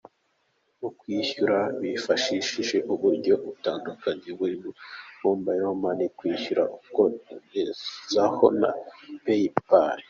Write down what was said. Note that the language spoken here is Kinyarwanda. Mu kwishyura hifashishwa uburyo butandukanye burimo Mobile Money, kwishyura ukugezeho na Paypal.